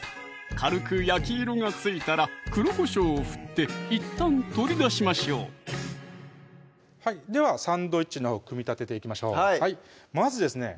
軽く焼き色がついたら黒こしょうを振っていったん取り出しましょうではサンドイッチのほう組み立てていきましょうまずですね